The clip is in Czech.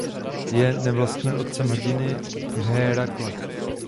Je nevlastním otcem hrdiny Hérakla.